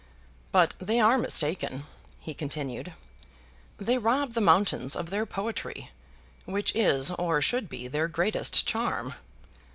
"But they are mistaken," he continued. "They rob the mountains of their poetry, which is or should be their greatest charm.